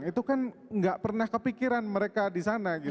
itu kan gak pernah kepikiran mereka di sana gitu